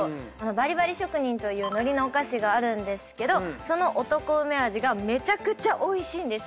バリバリ職人というのりのお菓子があるんですけどその男梅味がめちゃくちゃおいしいんですよ。